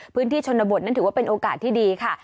พื้นที่ชนบทนั้นถือว่าเป็นโอกาสที่ดีค่ะ